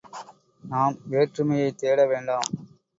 நாம் வேற்றுமையைத் தேட வேண்டாம்.